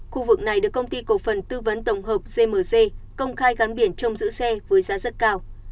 khu vực này được công ty cổ phần tư vấn tổng hợp gmc công khai gắn biển trông giữ xe với giá rất cao